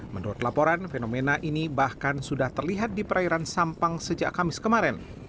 menurut laporan fenomena ini bahkan sudah terlihat di perairan sampang sejak kamis kemarin